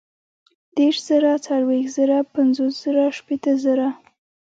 دېرش زره ، څلوېښت زره ، پنځوس زره ، شپېته زره